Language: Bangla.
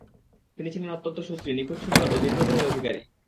তিনি ছিলেন অত্যন্ত সুশ্রী, নিখুঁত সুন্দর ও দীর্ঘ দেহের অধিকারী।